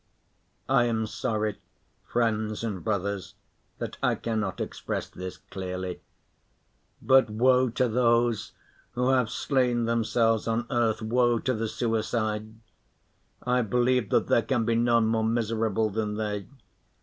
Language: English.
I am sorry, friends and brothers, that I cannot express this clearly. But woe to those who have slain themselves on earth, woe to the suicides! I believe that there can be none more miserable than they.